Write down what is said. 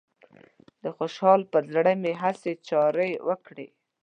د خوشحال پر زړه يې هسې چارې وکړې